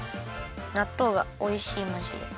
なっとうがおいしいまじで。